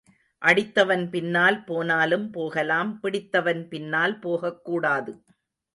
அடித்தவன் பின்னால் போனாலும் போகலாம் பிடித்தவன் பின்னால் போகக்கூடாது.